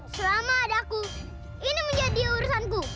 selama ada aku ini menjadi urusanku